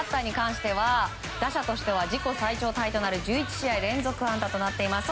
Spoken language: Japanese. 打者としては自己最長タイである１１試合連続安打となっています。